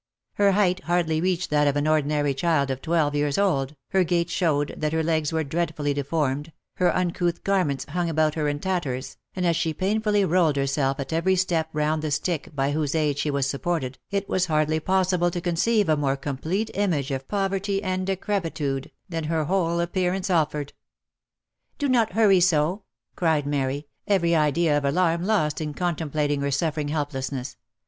Her height hardly reached that of an ordinary child of twelve years old, her gait showed that her legs were dreadfully deformed, her uncouth garments hung about her in tatters, and as she painfully 268 THE LIFE AND ADVENTURES rolled herself at every step round the stick by whose aid she was sup ported, it was hardly possible to conceive a more complete image of poverty and decrepitude, than her whole appearance offered. " Do not hurry so !" cried Mary, every idea of alarm lost in con templating her suffering helplessness.